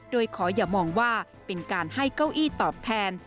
โดยขออย่ามองว่าเป็นการให้เก้าอี้ตอบแทน